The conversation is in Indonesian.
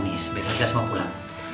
malam ini sebaiknya kita semua pulang